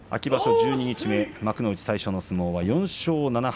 十二日目幕内最初の相撲は４勝７敗